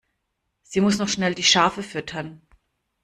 Sie muss noch schnell die Schafe füttern.